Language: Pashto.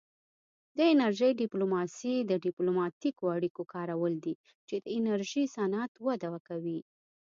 د انرژۍ ډیپلوماسي د ډیپلوماتیکو اړیکو کارول دي چې د انرژي صنعت وده کوي